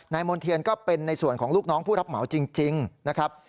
มณ์เทียนก็เป็นในส่วนของลูกน้องผู้รับเหมาจริงนะครับ